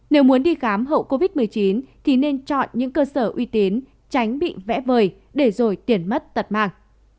nếu muốn đi khám hậu covid một mươi chín thì nên chọn những cơ sở uy tín tránh bị vẽ vời để rồi tiền mất tật mang